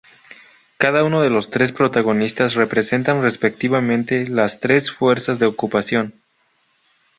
Cada uno de los tres protagonistas representan respectivamente las tres fuerzas de ocupación.